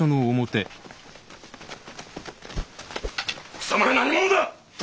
貴様ら何者だ！？